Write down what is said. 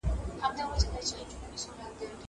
زه اوس د کتابتوننۍ سره مرسته کوم!